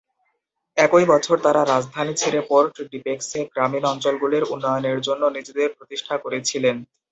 একই বছর তারা রাজধানী ছেড়ে পোর্ট-ডি-পেক্সে গ্রামীণ অঞ্চলগুলির উন্নয়নের জন্য নিজেদের প্রতিষ্ঠা করেছিলেন।